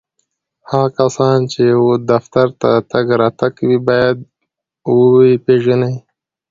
هغه کسان چي و دفتر ته تګ راتګ کوي ، باید و یې پېژني